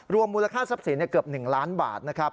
มูลค่าทรัพย์สินเกือบ๑ล้านบาทนะครับ